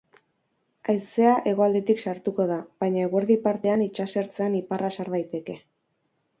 Haizea hegoaldetik sartuko da, baina eguerdi partean itsasertzean iparra sar daiteke.